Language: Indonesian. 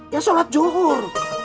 ya sholat jungkur